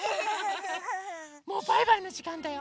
もうバイバイのじかんだよ。